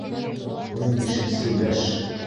Ун бишенсе йәш!